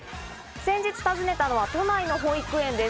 先日、訪ねたのは都内の保育園です。